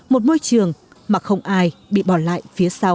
một môi trường mà không ai bị bỏ lại phía sau